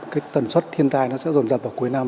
cái tần suất thiên tai nó sẽ rồn rập vào cuối năm